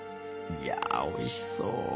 いやおいしそう。